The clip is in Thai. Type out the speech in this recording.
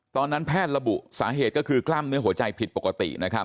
แพทย์ระบุสาเหตุก็คือกล้ามเนื้อหัวใจผิดปกติ